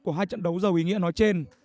của hai trận đấu giàu ý nghĩa nói trên